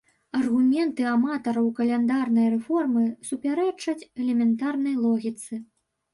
Аргументы аматараў каляндарнай рэформы супярэчаць элементарнай логіцы.